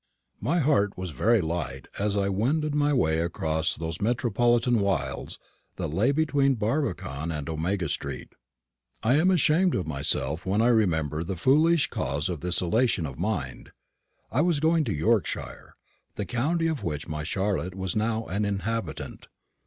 My heart was very light as I wended my way across those metropolitan wilds that lay between Barbican and Omega street. I am ashamed of myself when I remember the foolish cause of this elation of mind. I was going to Yorkshire, the county of which my Charlotte was now an inhabitant.